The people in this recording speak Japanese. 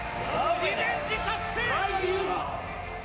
リベンジ達成！